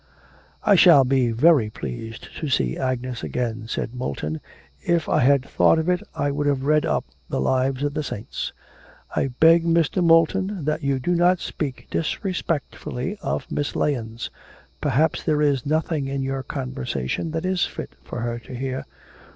'I shall be very pleased to see Agnes again,' said Moulton. 'If I had thought of it I would have read up the lives of the saints.' 'I beg, Mr. Moulton, that you do not speak disrespectfully of Miss Lahens. Perhaps there is nothing in your conversation that is fit for her to hear.'